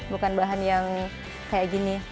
bukan bahan yang kayak gini